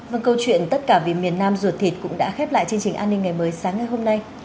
vâng câu chuyện tất cả vì miền nam ruột thịt cũng đã khép lại chương trình an ninh ngày mới sáng ngày hôm nay